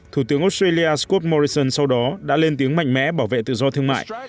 thủ tướng australia scott morrison sau đó đã lên tiếng mạnh mẽ bảo vệ tự do thương mại